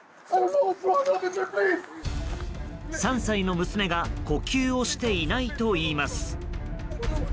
３歳の娘が呼吸をしていないといいます。